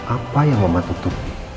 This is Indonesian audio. apa yang mematuhi